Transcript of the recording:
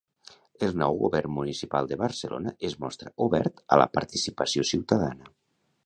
El nou govern municipal de Barcelona es mostra obert a la participació ciutadana.